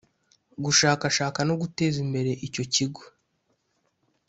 Gushakashaka no guteza imbere icyo kigo